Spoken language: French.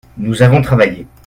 Nous avons travaillé.